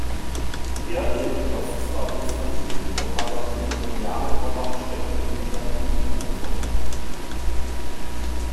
Eadred genoss zwar hohes Ansehen, doch war seine hegemoniale Vormachtstellung in England nicht unangefochten.